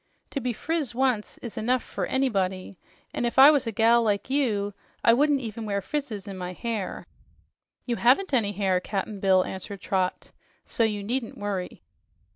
To be friz once is enough fer anybody, an' if I was a gal like you, I wouldn't even wear frizzes on my hair." "You haven't any hair, Cap'n Bill," answered Trot, "so you needn't worry."